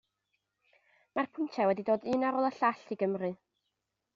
Mae'r pwyntiau wedi dod un ar ôl y llall i Gymru.